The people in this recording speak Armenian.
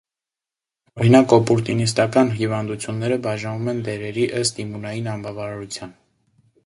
Օրինակ օպորտունիստական հիվանդույթունները բաժանվում են դերերի ըստ իմունային անբավարարության։